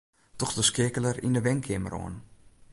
Doch de skeakeler yn 'e wenkeamer oan.